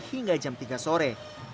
hingga jam tiga sore